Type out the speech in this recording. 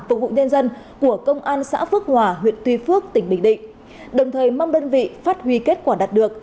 phục vụ nhân dân của công an xã phước hòa huyện tuy phước tỉnh bình định đồng thời mong đơn vị phát huy kết quả đạt được